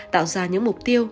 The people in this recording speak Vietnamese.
tạo ra những mục tiêu